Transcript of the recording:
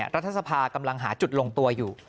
รัฐสภากำลังหาจุดลงตัวอยู่